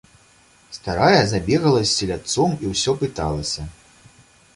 Старая забегала з селядцом і ўсё пыталася.